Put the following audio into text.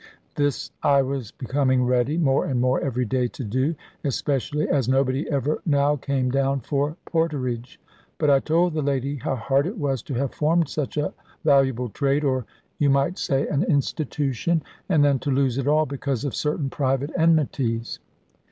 This I was becoming ready, more and more every day, to do; especially as nobody ever now came down for porterage. But I told the lady how hard it was to have formed such a valuable trade, or you might say an institution; and then to lose it all, because of certain private enmities.